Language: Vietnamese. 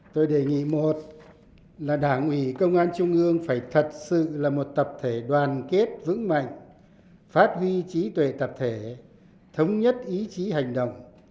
tôi đề nghị một là đảng ủy công an trung ương phải thật sự là một tập thể đoàn kết vững mạnh phát huy trí tuệ tập thể thống nhất ý chí hành động